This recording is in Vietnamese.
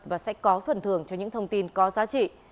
và sẽ có phần thường cho những thông tin có giá trị